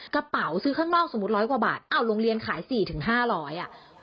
กระเป๋าซื้อข้างนอกสมมติ๑๐๐กว่าบาทโรงเรียนขาย๔๕๐๐บาท